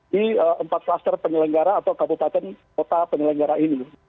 di empat klaster penyelenggara atau kabupaten kota penyelenggara ini